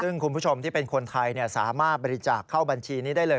ซึ่งคุณผู้ชมที่เป็นคนไทยสามารถบริจาคเข้าบัญชีนี้ได้เลย